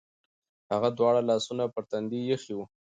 هغه دواړه لاسونه پر تندي ایښي و.